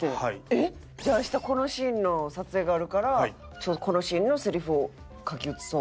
えっ？じゃあ明日このシーンの撮影があるからちょっとこのシーンのセリフを書き写そう。